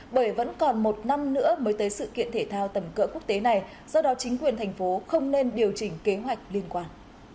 bởi vẫn còn một năm nữa mới tới sự kiện thể thao tầm cỡ quốc tế này do đó chính quyền thành phố không nên điều chỉnh kế hoạch liên quan